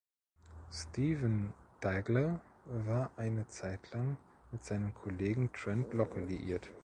Steven Daigle war eine Zeitlang mit seinem Kollegen Trent Locke liiert.